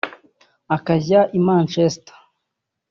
ukajya i Manchester